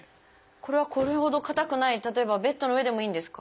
これはこれほど硬くない例えばベッドの上でもいいんですか？